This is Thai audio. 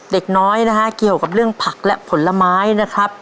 เด็กน้อยนะฮะเกี่ยวกับเรื่องผักและผลไม้นะครับ